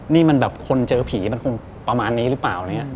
นี่มันแบบคนเจอผีมันคงประมาณนี้หรือเปล่า